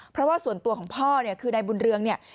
เพราะว่าส่วนตัวของพ่อเนี่ยคือนายบุญเรืองเนี่ย